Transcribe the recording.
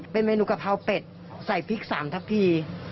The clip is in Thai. เป็นเมนูกะเพราเป็ดใส่พริก๓ทับพี